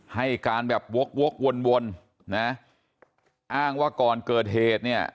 ให้การแบบวกวกวนวนนะอ้างว่าก่อนเกิดเหตุเนี่ย